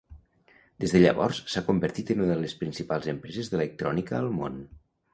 Des de llavors s'ha convertit en una de les principals empreses d'electrònica al món.